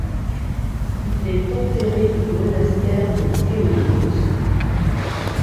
Il est enterré au monastère de Théodose.